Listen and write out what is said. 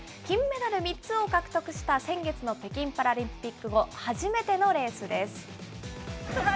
金メダル３つを獲得した先月の北京パラリンピック後、初めてのレースです。